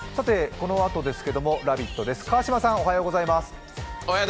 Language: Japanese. このあとですけれども「ラヴィット！」です。